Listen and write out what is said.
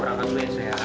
selamat malam mas